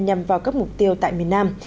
nhằm vào các mục tiêu tại miền nam